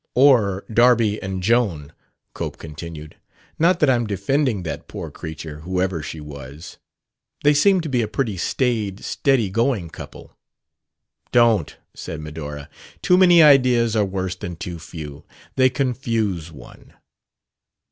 "Or Darby and Joan," Cope continued. "Not that I'm defending that poor creature, whoever she was. They seem to be a pretty staid, steady going couple." "Don't," said Medora. "Too many ideas are worse than too few. They confuse one."